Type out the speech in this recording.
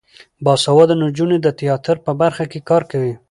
باسواده نجونې د تیاتر په برخه کې کار کوي.